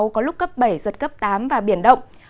có lúc cấp bảy giật cấp tám và biển động